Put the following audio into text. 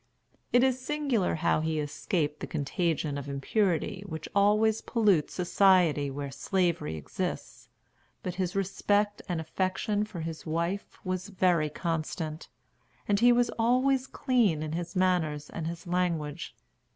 It is singular how he escaped the contagion of impurity which always pollutes society where Slavery exists. But his respect and affection for his wife was very constant, and he was always clean in his manners and his language.